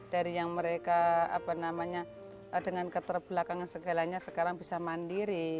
dari yang mereka dengan keterbelakangan segalanya sekarang bisa mandiri